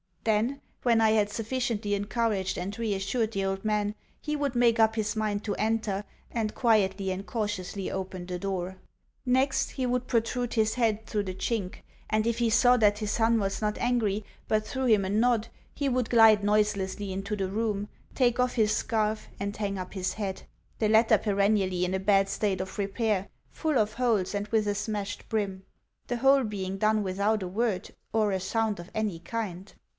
Then, when I had sufficiently encouraged and reassured the old man, he would make up his mind to enter, and quietly and cautiously open the door. Next, he would protrude his head through the chink, and if he saw that his son was not angry, but threw him a nod, he would glide noiselessly into the room, take off his scarf, and hang up his hat (the latter perennially in a bad state of repair, full of holes, and with a smashed brim) the whole being done without a word or a sound of any kind.